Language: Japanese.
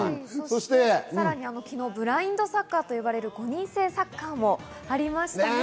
さらに昨日、ブラインドサッカーと呼ばれる５人制サッカーもありましたね。